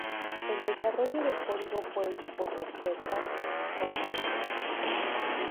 El desarrollo del código fue hecho por Rosetta Commons.